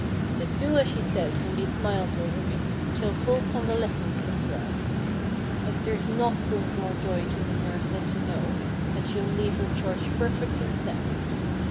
Just do as she says and these smiles will remain 'Till full convalescence comes round; As there's naught brings more joy to the nurse than to know That she'll leave her charge perfect and sound.